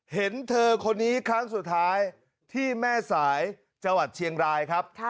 เห็นเธอคนนี้ครั้งสุดท้ายที่แม่สายจังหวัดเชียงรายครับ